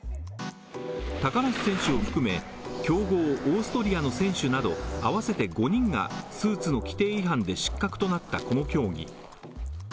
高梨選手を含め、強豪・オーストリアの選手など合わせて５人がスーツの規定違反で失格となったこの競技。